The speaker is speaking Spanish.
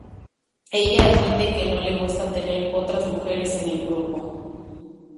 Ella admite que no le gusta tener "otras mujeres en el grupo".